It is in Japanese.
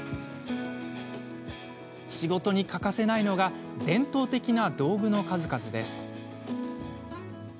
仕事に欠かせないのが伝統的な道具の数々です。